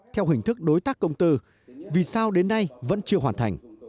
theo hình thức đối tác công tư vì sao đến nay vẫn chưa hoàn thành